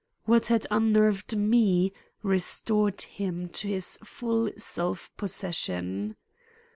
What had unnerved me, restored him to full self possession.